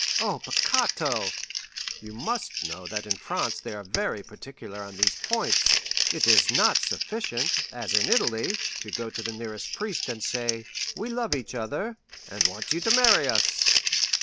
"O peccato!" "You must know that in France they are very particular on these points; it is not sufficient, as in Italy, to go to the priest and say, 'We love each other, and want you to marry us.